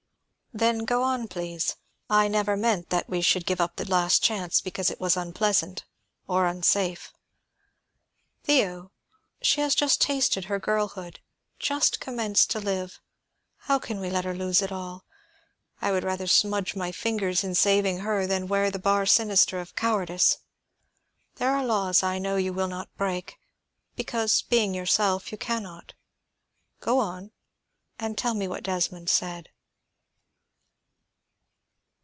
"Then, go on, please. I never meant that we should give up the last chance because it was unpleasant, or unsafe. Theo she has just tasted her girlhood, just commenced to live; how can we let her lose it all? I would rather smudge my fingers in saving her than wear the bar sinister of cowardice. There are laws I know you will not break, because, being yourself, you can not. Go on, and tell me what Desmond said."